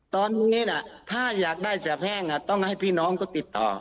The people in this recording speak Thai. ตรงนี้ถ้าอยากได้เสียแพ่งต้องให้พี่น้องก็ติดต่อ